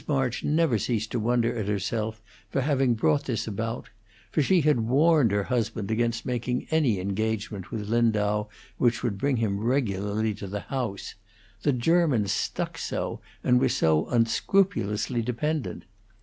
March never ceased to wonder at herself for having brought this about, for she had warned her husband against making any engagement with Lindau which would bring him regularly to the house: the Germans stuck so, and were so unscrupulously dependent.